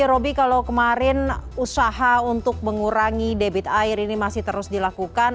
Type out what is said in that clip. robby kalau kemarin usaha untuk mengurangi debit air ini masih terus dilakukan